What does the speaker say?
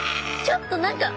ちょっと何か。